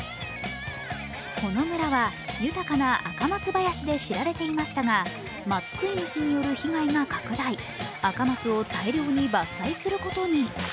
この村は豊かなアカマツ林で知られていましたが松くい虫による被害が拡大アカマツを大量に伐採することに。